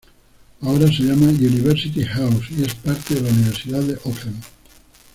Ahora se llama "University House", y es parte de la Universidad de Auckland.